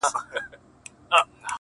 غوا ئې و غيه، چي غړکه ئې مرداره سي.